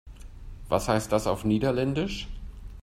Was heißt das auf Niederländisch?